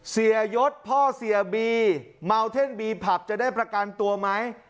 เสียยศพ่อเสียบีเมาเท่นบีผับจะได้ประกันตัวไหม